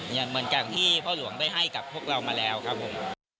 เหมือนกับที่พ่อหลวงได้ให้กับพวกเรามาแล้วครับผม